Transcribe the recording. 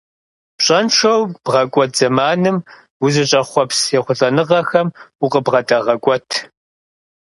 Пщӏэншэу бгъэкӏуэд зэманым узыщӏэхъуэпс ехъулӏэныгъэхэм укъыбгъэдагъэкӏуэт.